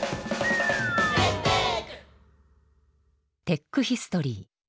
テックヒストリー。